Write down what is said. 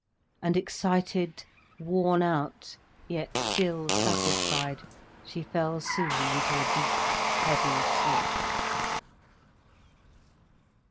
And excited, worn out, yet still satisfied, she fell soon into a deep, heavy sleep.